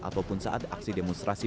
ataupun saat aksi demonstrasi